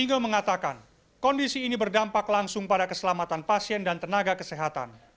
single mengatakan kondisi ini berdampak langsung pada keselamatan pasien dan tenaga kesehatan